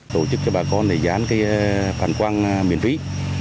tổ chức cho bà con để dán phản quang miễn phí